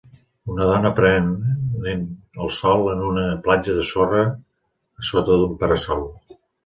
Un dona prenen el sol en una platja de sorra a sota d'un para-sol